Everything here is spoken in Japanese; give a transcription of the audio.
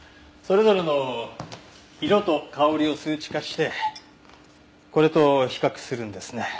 それぞれの色と香りを数値化してこれと比較するんですね。